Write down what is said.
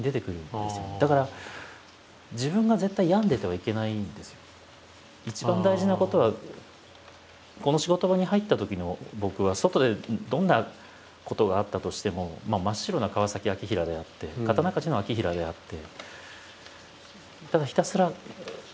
やっぱりだから一番大事なことはこの仕事場に入ったときの僕は外でどんなことがあったとしても真っ白な川晶平であって刀鍛冶の晶平であって。